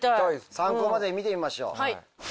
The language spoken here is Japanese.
参考までに見てみましょう。